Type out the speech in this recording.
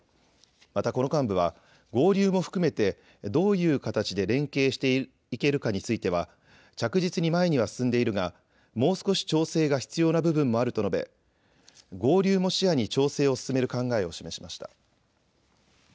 また、この幹部は合流も含めてどういう形で連携していけるかについては着実に前には進んでいるがもう少し調整が必要な部分もあると述べ合流も視野に調整を進める考えを示しました。